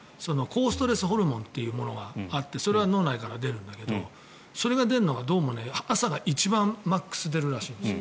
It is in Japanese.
抗ストレスホルモンというのがあってそれは脳内から出るんだけどそれが出るのが朝がマックス出るらしい。